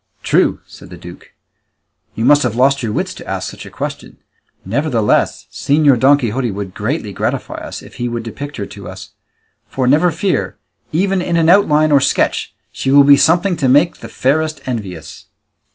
"True," said the duke; "you must have lost your wits to ask such a question. Nevertheless, Señor Don Quixote would greatly gratify us if he would depict her to us; for never fear, even in an outline or sketch she will be something to make the fairest envious."